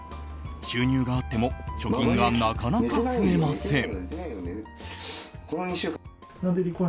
収入があっても貯金がなかなか増えません。